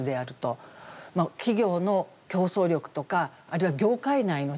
企業の競争力とかあるいは業界内の秩序